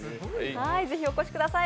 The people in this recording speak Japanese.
ぜひお越しください。